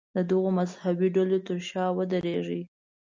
د دغو مذهبي ډلو تر شا ودرېږي.